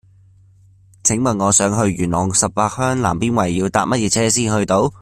請問我想去元朗十八鄉南邊圍要搭乜嘢車先去到